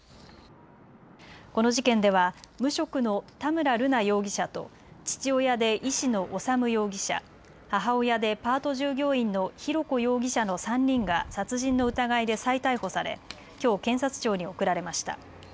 この事件では無職の田村瑠奈容疑者と父親で医師の修容疑者、母親でパート従業員の浩子容疑者の３人が殺人の疑いで再逮捕されきょう検察庁に送られました。